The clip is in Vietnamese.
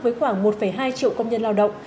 với khoảng một hai triệu công nhân lao động